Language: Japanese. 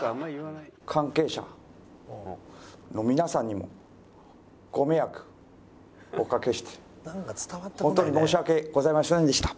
関係者の皆さんにもご迷惑おかけして本当に申し訳ございませんでした。